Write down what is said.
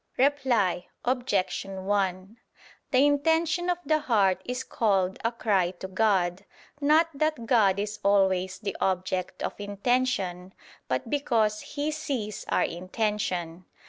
Reply Obj. 1: The intention of the heart is called a cry to God, not that God is always the object of intention, but because He sees our intention.